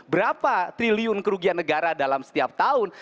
berapa triliun kerugian negara dalam setiap tahun